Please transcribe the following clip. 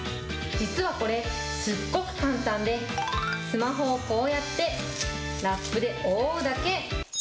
実はこれ、すっごく簡単で、スマホをこうやってラップで覆うだけ。